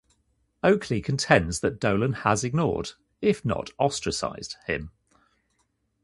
Oakley contends that Dolan has ignored, if not ostracized, him.